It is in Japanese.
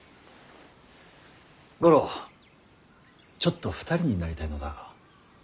五郎ちょっと２人になりたいのだが。